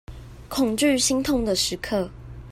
恐懼心痛的時刻